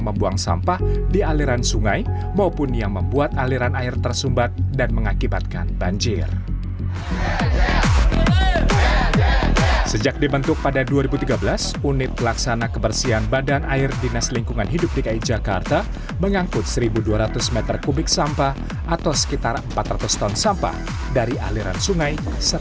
empat ratus ton sampah dari aliran sungai setiap hari